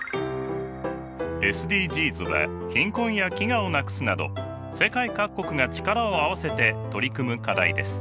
ＳＤＧｓは貧困や飢餓をなくすなど世界各国が力を合わせて取り組む課題です。